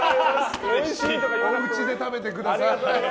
おうちで食べてください。